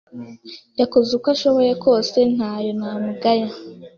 Yakoze uko ashooye kose nta yo namugaya